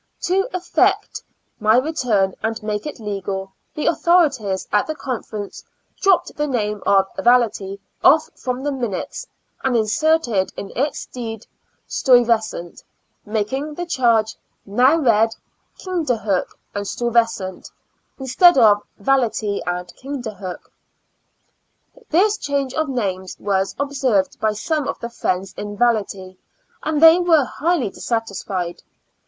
To effect my return and make it legal, the authorities at the Con ference dropped the name of Valatie off from the minutes, and inserted in its stead IN A L UNA TIC ASYL U3L \ 3 Stuyvesant, making the charge now read " Kinclerhook and Stuyvesant," instead of Valatie and Kinderhook. This change of names was observed by some of the friends in Valatie, and they were highly dissatisfied.